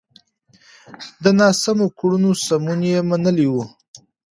د ناسمو کړنو سمون يې منلی و.